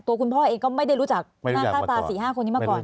ตัวคุณพ่อเองก็ไม่ได้รู้จัก๕๕คนนี้มาก่อน